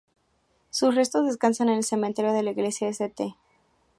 Sus restos descansan en el cementerio de la iglesia St.